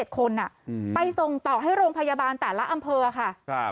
๗คนไปส่งต่อให้โรงพยาบาลแต่ละอำเภอค่ะ